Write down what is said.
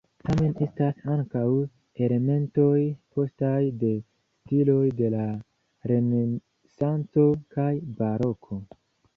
Tamen estas ankaŭ elementoj postaj, de stiloj de la renesanco kaj baroko.